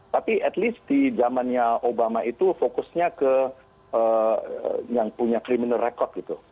tapi at least di zamannya obama itu fokusnya ke yang punya criminal record gitu